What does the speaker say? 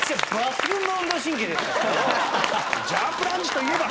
ジャンプランジといえば。